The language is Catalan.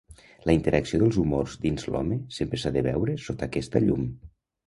La interacció dels humors dins l'home sempre s'ha de veure sota aquesta llum.